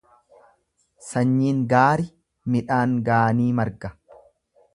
Sanyiin gaari midhaan gaanii marga.